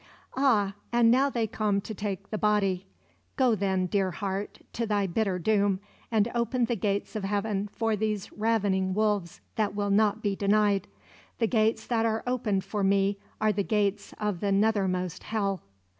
Ah, and now they come to take the Body Go then, dear heart, to thy bitter doom, and open the gates of heaven for these ravening wolves that will not be denied. The gates that are opened for me are the gates of the nethermost hell.